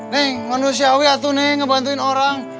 neng manusiawi atuh neng ngebantuin orang